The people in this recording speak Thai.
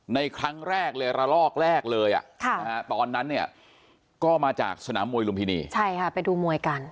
ในครั้งแรกเลยระลอกแรกเลยตอนนั้นเนี่ยก็มาจากสนามมวยลุมพินีใช่ค่ะไปดูมวยกัน